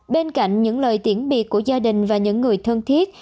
bên cạnh những lời tiễn biệt của gia đình và những người thân thiết